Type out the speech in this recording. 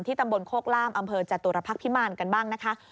ตำบลโคกล่ามอำเภอจตุรพักษ์พิมารกันบ้างนะคะ